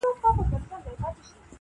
ګلان راوړه سپرلیه د مودو مودو راهیسي,